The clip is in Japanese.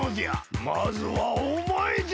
まずはおまえじゃ！